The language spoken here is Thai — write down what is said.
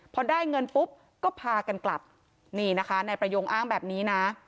พอได้เงินปุ๊บก็พากันกลับนี่นะคะนายประโยงอ้างแบบนี้นะ